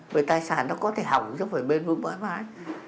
vì tài sản nó có thể hỏng chứ không phải bên vương mãi mãi